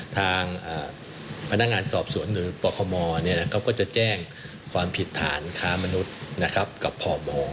ทางพนักงานสอบสวนหรือปคมเนี่ยนะครับก็จะแจ้งความผิดฐานค้ามนุษย์นะครับกับพม